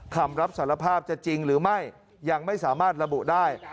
คำรับสารภาพจะจริงหรือไม่ยังไม่สามารถระบุได้